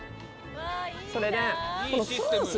それで。